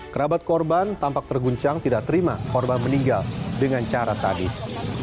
kerabat korban tampak terguncang tidak terima korban meninggal dengan cara sadis